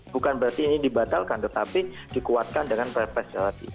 bukan berarti ini dibatalkan tetapi dikuatkan dengan perpres